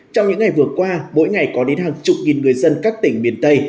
trong những ngày vừa qua mỗi ngày có đến hàng chục nghìn người dân các tỉnh miền tây